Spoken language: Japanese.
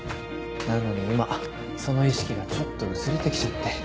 なのに今その意識がちょっと薄れてきちゃって。